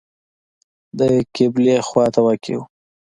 د قبلې خواته واقع و.